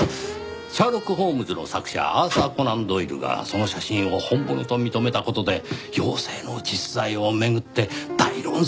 『シャーロック・ホームズ』の作者アーサー・コナン・ドイルがその写真を本物と認めた事で妖精の実在を巡って大論争が巻き起こりましてね。